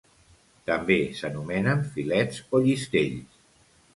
També s'anomenen filets o llistells.